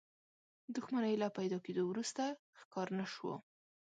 دښمنۍ له پيدا کېدو وروسته ښکار نه شو.